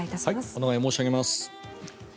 お願い申し上げます。